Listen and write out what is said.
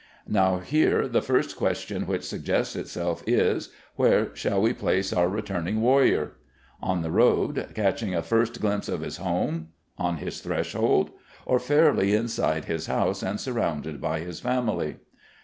Now here the first question which suggests itself is: Where shall we place our returning warrior? On the road, catching a first glimpse of his home? on his threshold? or fairly inside his house and surrounded by his family?